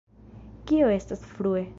Kio estas »frue«?